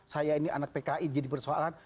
saya ini anak pki jadi persoalan